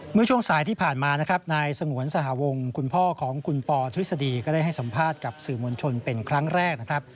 เมื่อช่วงสายที่ผ่านมานะครับนายสงวนสหวงคุณพ่อของคุณปอทฤษฎีก็ได้ให้สัมภาษณ์กับสื่อมวลชนเป็นครั้งแรกนะครับ